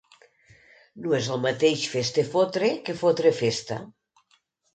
No és el mateix fes-te fotre que fotre festa.